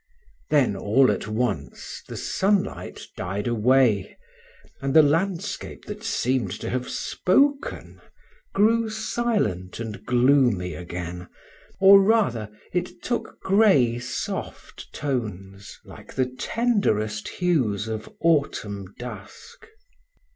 Then all at once the sunlight died away, and the landscape that seemed to have spoken grew silent and gloomy again, or rather, it took gray soft tones like the tenderest hues of autumn dusk.